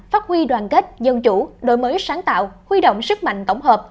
phát huy đoàn kết dân chủ đổi mới sáng tạo huy động sức mạnh tổng hợp